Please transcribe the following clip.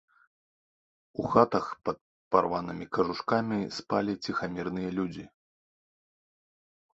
У хатах пад парванымі кажушкамі спалі ціхамірныя людзі.